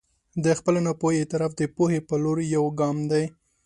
د خپلې ناپوهي اعتراف د پوهې په لور یو ګام دی.